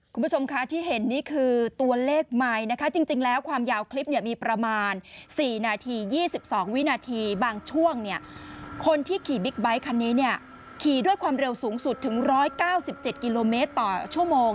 คุณผู้ชมคะที่เห็นนี่คือตัวเลขไมค์นะคะจริงแล้วความยาวคลิปเนี่ยมีประมาณ๔นาที๒๒วินาทีบางช่วงเนี่ยคนที่ขี่บิ๊กไบท์คันนี้เนี่ยขี่ด้วยความเร็วสูงสุดถึง๑๙๗กิโลเมตรต่อชั่วโมง